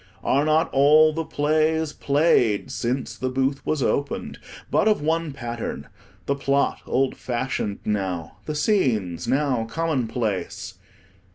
Are not all the plays, played since the booth was opened, but of one pattern, the plot old fashioned now, the scenes now commonplace?